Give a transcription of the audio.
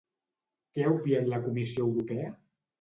Què ha obviat la Comissió Europea?